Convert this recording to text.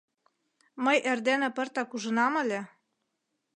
Мый эрдене пыртак ужынам ыле.